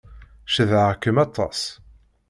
Cedhaɣ-kem aṭas.